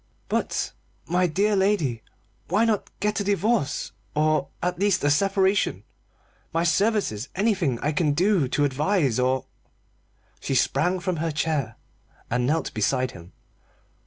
"But, my dear lady, why not get a divorce or, at least, a separation? My services anything I can do to advise or " She sprang from her chair and knelt beside him.